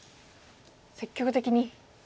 積極的に。